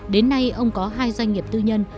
đến nay ông có hai doanh nghiệp tư nhân